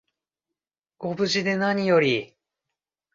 ご無事でなにより